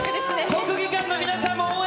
国技館の皆さんも応援